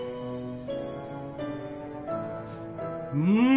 うん。